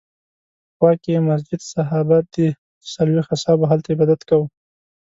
خوا کې یې مسجد صحابه دی چې څلوېښت اصحابو هلته عبادت کاوه.